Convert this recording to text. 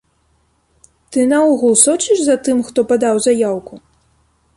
Ты, наогул, сочыш за тым, хто падаў заяўку?